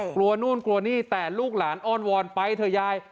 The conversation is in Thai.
กลัวนู่นกลัวนี่แต่ลูกหลานอ้อนวอนไปเถอะยาย